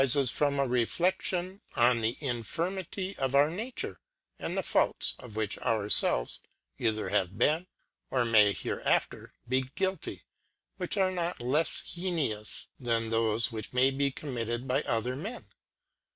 i o i which arifes from a Refle6lion on the Infirmity of our Namre, and the Faults, of which our felves either have been, or may hereafter be guilty, which are not Icfs heinous than tliofe which may be committed by other Men.